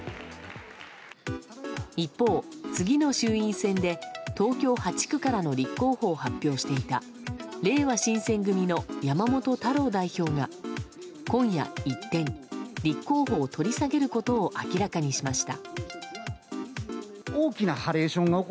一方、次の衆院選で東京８区からの立候補を発表していたれいわ新選組の山本太郎代表が今夜、一転立候補を取り下げることを明らかにしました。